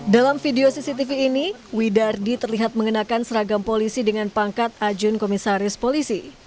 dalam video cctv ini widardi terlihat mengenakan seragam polisi dengan pangkat ajun komisaris polisi